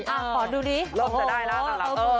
อ่ะปอดูดิโลกจะได้ล่ะสำหรับ